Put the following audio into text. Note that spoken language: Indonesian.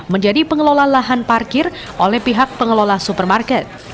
menjadi pengelola lahan parkir oleh pihak pengelola supermarket